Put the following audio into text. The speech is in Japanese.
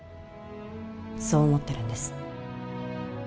そう思ってるんです